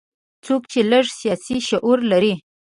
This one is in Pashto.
څوک چې لږ سیاسي شعور لري.